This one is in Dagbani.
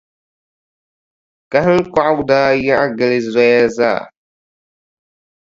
Kahiŋkɔɣu daa yiɣi gili zoya zaa.